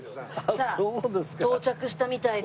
さあ到着したみたいです。